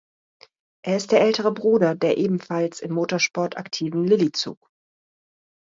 Er ist der ältere Bruder der ebenfalls im Motorsport aktiven Lilly Zug.